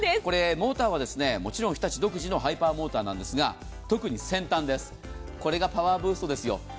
モーターはもちろん日立独自のハイパーモーターなんですが特に先端です、これがパワーブーストですよ。